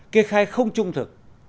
kê khai không trung thực